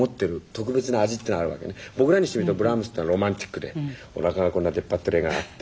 僕らにしてみるとブラームスってのはロマンチックでおなかがこんな出っ張ってる絵があって。